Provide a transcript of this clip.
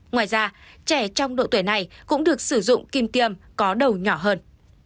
ngoài ra trẻ trong độ tuổi này cũng được sử dụng kim tiêm có đầu nhỏ hơn